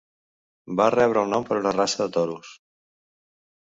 Va rebre el nom per una raça de toros.